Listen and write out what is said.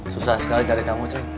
susah sekali cari kamu